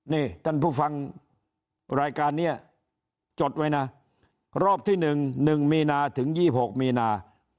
นี่ท่านผู้ฟังรายการนี้จดไว้นะรอบที่๑๑มีนาถึง๒๖มีนา